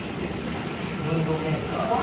ムードメーカー。